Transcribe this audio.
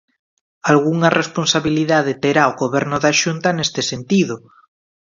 Algunha responsabilidade terá o Goberno da Xunta neste sentido.